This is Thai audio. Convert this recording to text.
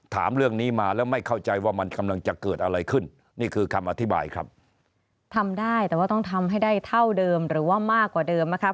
ทำได้แต่ว่าต้องทำให้ได้เท่าเดิมหรือว่ามากกว่าเดิมนะครับ